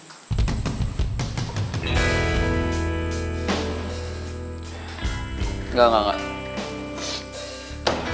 gak gak gak